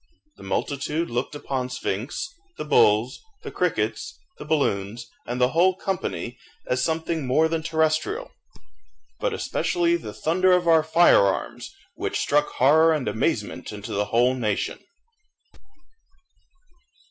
The multitude looked upon Sphinx, the bulls, the crickets, the balloons, and the whole company, as something more than terrestrial, but especially the thunder of our fire arms, which struck horror and amazement into the whole nation.